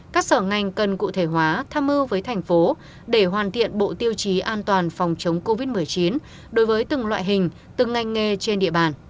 các sở ngành cần cụ thể hóa tham mưu với thành phố để hoàn thiện bộ tiêu chí an toàn phòng chống covid một mươi chín